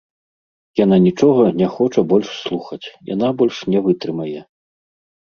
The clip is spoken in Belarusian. Яна нічога не хоча больш слухаць, яна больш не вытрымае.